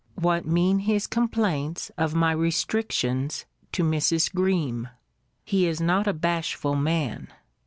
What mean his complaints of my restrictions to Mrs. Greme? He is not a bashful man.